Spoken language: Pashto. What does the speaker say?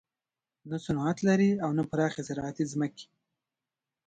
نه صنعت لري او نه پراخې زراعتي ځمکې.